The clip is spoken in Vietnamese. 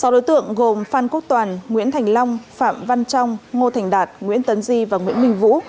sáu đối tượng gồm phan quốc toàn nguyễn thành long phạm văn trong ngô thành đạt nguyễn tấn di và nguyễn minh vũ